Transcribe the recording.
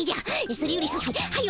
それよりソチはよ